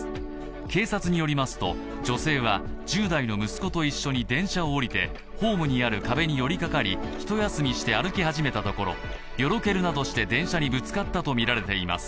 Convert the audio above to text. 警察によりますと、女性は１０代の息子と一緒に電車を降りてホームにある壁により掛かり、一休みして歩き始めたところよろけるなどして電車にぶつかったとみられています。